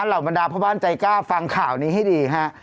เหล่าบรรดาพ่อบ้านใจกล้าฟังข่าวนี้ให้ดีฮะ